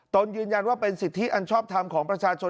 ตนยืนยันว่าเป็นสิทธิอันชอบทำของประชาชน